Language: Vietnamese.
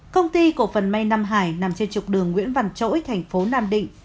công ty cổ phần may nam hải nằm trên trục đường nguyễn văn chỗi thành phố nam định